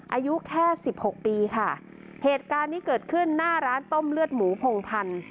อายุแค่สิบหกปีค่ะเหตุการณ์นี้เกิดขึ้นหน้าร้านต้มเลือดหมูพงพันธ์